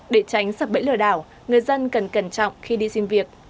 để tránh sập bẫy lừa đảo người dân cần cẩn trọng khi đi xin việc